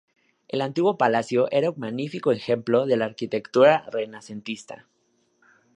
El antiguo palacio era un magnífico ejemplo de la arquitectura renacentista.